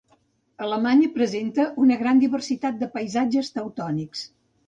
Alemanya presenta una gran diversitat de paisatges teutònics.